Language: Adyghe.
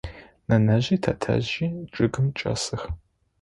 Нэнэжъи тэтэжъи чъыгым чӏэсых.